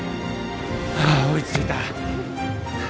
あ追いついた。